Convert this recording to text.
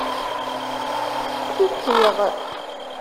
Ttsetḥiɣ.